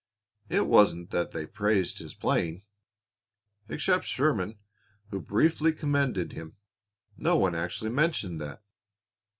It wasn't that they praised his playing. Except Sherman, who briefly commended him, no one actually mentioned that.